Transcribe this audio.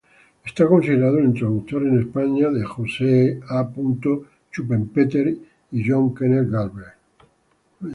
Es considerado el introductor en España de Joseph A. Schumpeter y John Kenneth Galbraith.